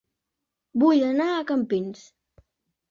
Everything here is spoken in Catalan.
Vull anar a Campins